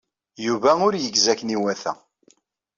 Yuba ur yegzi akken iwata.